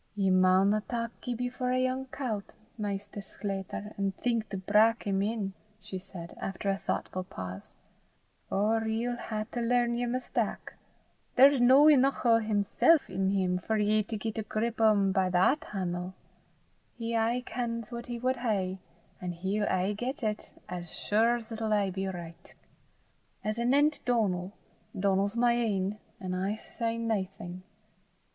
"Ye maunna tak Gibbie for a young cowt, Maister Sclater, an' think to brak him in," she said, after a thoughtful pause, "or ye'll hae to learn yer mistak. There's no eneuch o' himsel' in him for ye to get a grip o' 'im by that han'le. He aye kens what he wad hae, an' he'll aye get it, as sure 's it'll aye be richt. As anent Donal, Donal's my ain, an' I s' say naething.